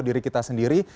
diri kita sendiri